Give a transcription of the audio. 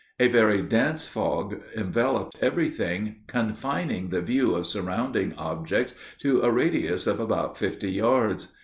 A very dense fog enveloped everything, confining the view of surrounding objects to a radius of about fifty yards.